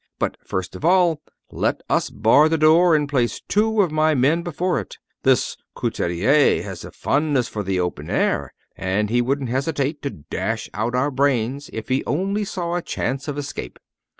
But first of all, let us bar the door and place two of my men before it. This Couturier has a fondness for the open air, and he wouldn't hesitate to dash out our brains if he only saw a chance of escape."